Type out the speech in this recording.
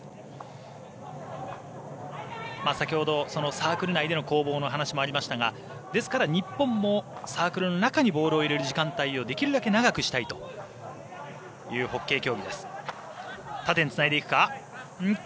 先ほどサークル内での攻防の話もありましたがですから、日本もサークルの中にボールを入れる時間帯をできるだけ長くしたいというホッケー競技です。